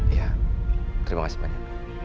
iya terima kasih banyak